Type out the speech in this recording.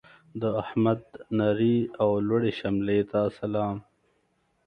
د احمد نرې او لوړې شملې ته سلام.